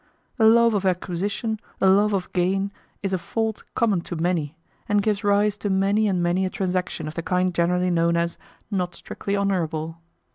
The love of acquisition, the love of gain, is a fault common to many, and gives rise to many and many a transaction of the kind generally known as "not strictly honourable."